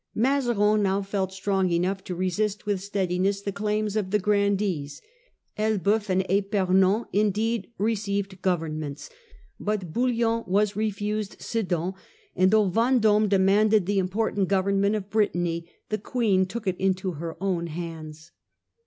Mazarin now felt strong enough to resist with steadiness the claims of the grandees. Elbceuf and £pernon indeed received governments ; but Bouillon was refused Sddan, and though Vendome demanded the important government of Britanny, the queen took it into her own hands.